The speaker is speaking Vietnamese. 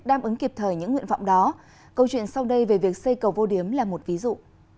đáp ứng kịp thời những nguyện vọng đó câu chuyện sau đây về việc xây cầu vô điếm là một ví dụ